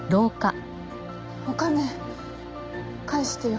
お金返してよ。